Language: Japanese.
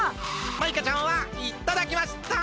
マイカちゃんはいっただきました！